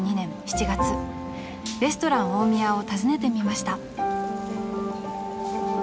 ［レストラン大宮を訪ねてみました］